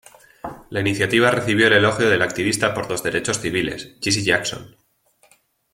La iniciativa recibió el elogio del activista por los derechos civiles, Jesse Jackson.